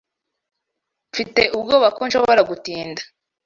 Mfite ubwoba ko nshobora gutinda.